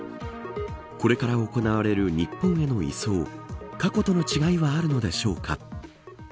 これから行われる日本への移送過去との違いはあるのでしょうか。